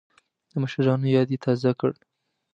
د مشرانو یاد یې تازه کړ.